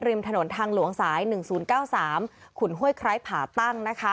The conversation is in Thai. ริมถนนทางหลวงสาย๑๐๙๓ขุนห้วยไคร้ผ่าตั้ง